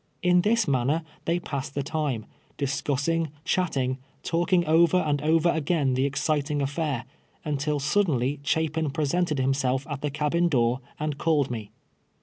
In this manner they passed the time, discus sing, chatting, talking over and over again the exci ting affair, until suddenly Chapin presented himself at the cabin door and called me.